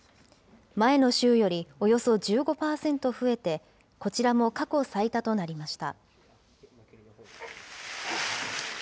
前の週よりおよそ１５％増えて、こちらも過去最多となりました。